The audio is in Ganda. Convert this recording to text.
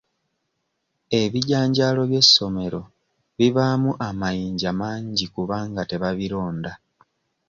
Ebijanjaalo by'essomero bibaamu amayinja mangi kubanga tebabironda.